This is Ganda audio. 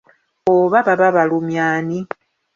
Oba baba balumya ani?